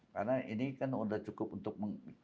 karena ini kan sudah cukup untuk menghantar listrik